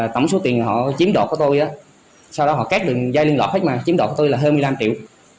tổng số tiền họ chiếm đột của tôi sau đó họ kết được dây liên lọt hết mà chiếm đột của tôi là hơn một mươi năm triệu